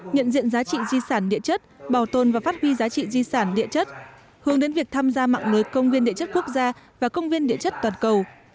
nhận diện giá trị di sản địa chất bảo tồn và phát huy giá trị di sản địa chất hướng đến việc tham gia mạng lưới công viên địa chất quốc gia và công viên địa chất toàn cầu